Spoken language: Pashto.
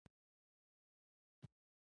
دابه بیا “سیدال” راباسی، دمرګ توره په غجرو